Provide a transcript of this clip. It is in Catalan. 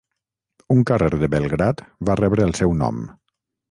Un carrer de Belgrad va rebre el seu nom.